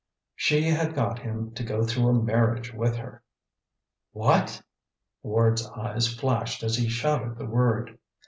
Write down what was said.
"She had got him to go through a marriage with her " "WHAT?" Ward's eyes flashed as he shouted the word.